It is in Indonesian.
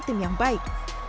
tim yang baik